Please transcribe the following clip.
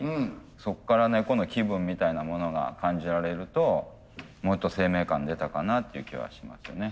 そっから猫の気分みたいなものが感じられるともっと生命感出たかなっていう気はしますね。